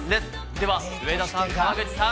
では上田さん、川口さん